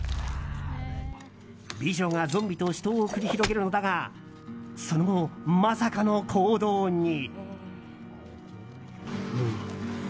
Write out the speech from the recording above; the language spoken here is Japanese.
美女がゾンビと死闘を繰り広げるのだがその後、まさかの行動に。